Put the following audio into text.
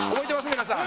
皆さん。